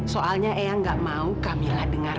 soalnya ehang enggak mau kamila dengar